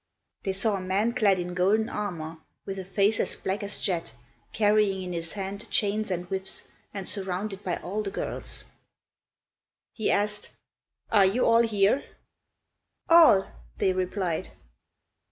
They saw a man clad in golden armour, with a face as black as jet, carrying in his hand chains and whips, and surrounded by all the girls. He asked, "Are you all here?" "All," they replied.